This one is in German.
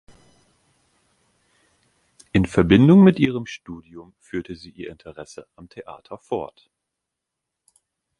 In Verbindung mit ihrem Studium führte sie ihr Interesse am Theater fort.